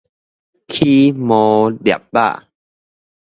起毛粒仔